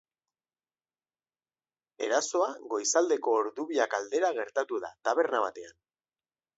Erasoa goizaldeko ordu biak aldera gertatu da, taberna batean.